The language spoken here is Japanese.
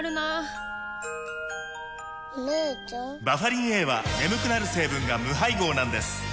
バファリンＡは眠くなる成分が無配合なんです